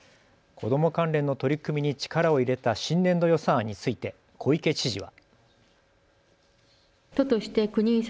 子ども関連の取り組みに力を入れた新年度予算案について小池知事は。